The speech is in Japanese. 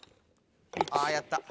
あぁやった。